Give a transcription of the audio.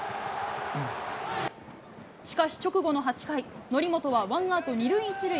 しかし、直後の８回、則本は１アウト２塁１塁。